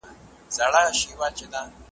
جهاني ما خو قاصد ور استولی `